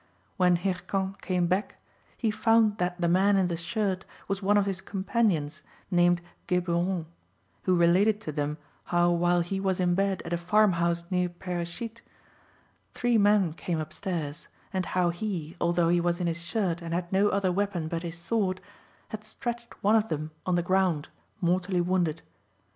When Hircan came back, he found that the man in the shirt was one of his companions named Geburon, who related to them how while he was in bed at a farmhouse near Peyrechitte three men came upstairs, and how he, although he was in his shirt and had no other weapon but his sword, had stretched one of them on the ground mortally wounded.